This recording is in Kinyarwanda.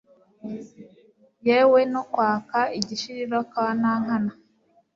yewe no kwaka igishirira kwa nankana